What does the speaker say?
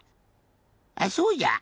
あっそうじゃ。